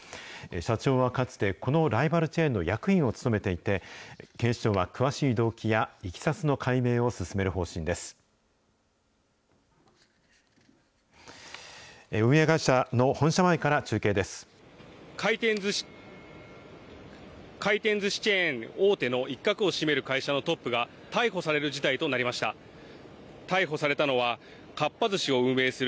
社長はかつて、このライバルチェーンの役員を務めていて、警視庁は詳しい動機やいきさつの解明を進める方針です。